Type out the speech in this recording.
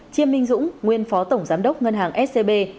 chiêm minh dũng nguyên phó tổng giám đốc ngân hàng scb